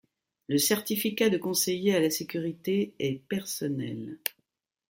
Le certificat de conseiller à la sécurité est personnel.